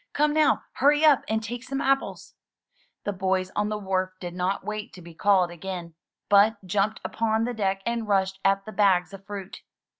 ''Come now! Hurry up and take some apples/' The boys on the wharf did not wait to be called again but jumped upon the deck and rushed at the bags of fruit.